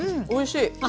おいしい！